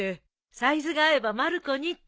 サイズが合えばまる子にって。